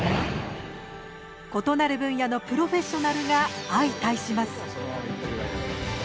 異なる分野のプロフェッショナルが相対します。